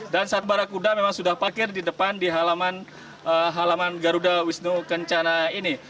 dan satu barakuda memang sudah pakir di depan di halaman garuda wisnu kencana ini